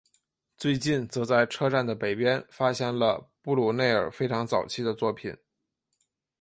最近则在车站的北边发现了布鲁内尔非常早期的作品。